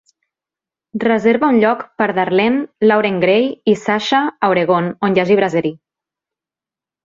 Reserva un lloc per Darlene, Lauren Gray i Sasha a Oregon on hi hagi brasserie.